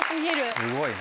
すごいね。